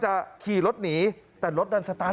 ทำไมคงคืนเขาว่าทำไมคงคืนเขาว่า